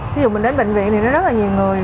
thí dụ mình đến bệnh viện thì rất là nhiều người